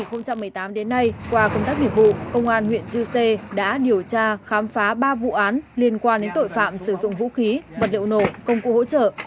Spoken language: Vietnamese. từ năm hai nghìn một mươi tám đến nay qua công tác nghiệp vụ công an huyện chư sê đã điều tra khám phá ba vụ án liên quan đến tội phạm sử dụng vũ khí vật liệu nổ công cụ hỗ trợ